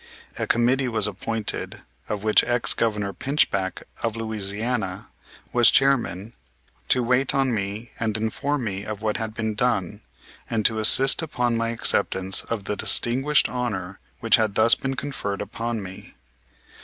A committee was appointed, of which ex Governor Pinchback, of Louisiana, was chairman, to wait on me and inform me of what had been done, and to insist upon my acceptance of the distinguished honor which had thus been conferred upon me.